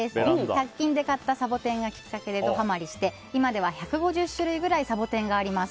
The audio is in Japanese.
１００均で買ったサボテンがきっかけでドハマリして今では１５０種類ぐらいサボテンがいます。